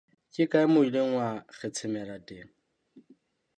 Ke kae moo o ileng wa kgetshemela teng?